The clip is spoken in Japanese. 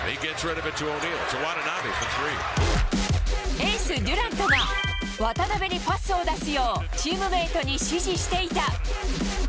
エース、デュラントが渡邊にパスを出すようチームメートに指示していた。